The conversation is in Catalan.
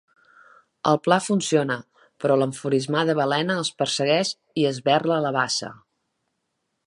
El pla funciona, però l'enfurismada balena els persegueix i esberla la bassa.